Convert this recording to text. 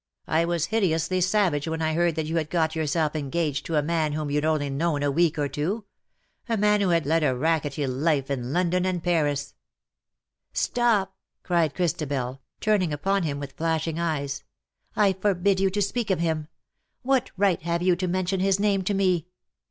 I was hideously savage when I heard that you had got yourself engaged to a man whom you'd only known a week or two — a man who had led a racketty life in London and Paris ■"^^ Stop," cried Christabel, turning upon him with flashing eyes, " I forbid you to speak of him. What right have you to mention his name to me